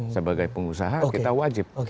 sebagai pengusaha kita wajib